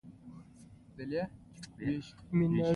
شخصي او عامه ملکیتونه باید غصب نه شي په پښتو ژبه.